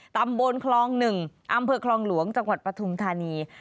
ตำบลคลอง๑อำเภอคลองหลวงจังหวัดปฐุมธานี